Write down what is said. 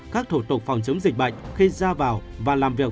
các thủ tục phòng chống dịch bệnh khi ra vào và làm việc